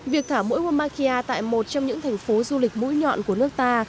việc thả mũi gunmakia tại một trong những thành phố du lịch mũi nhọn của nước ta